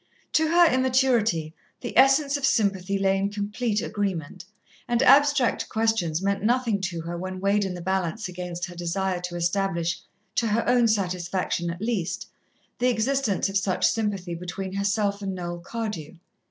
To her immaturity, the essence of sympathy lay in complete agreement, and abstract questions meant nothing to her when weighed in the balance against her desire to establish, to her own satisfaction at least, the existence of such sympathy between herself and Noel Cardew.